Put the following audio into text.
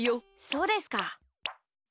そうですか。